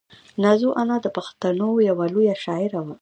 نازو انا د پښتنو یوه لویه شاعره وه.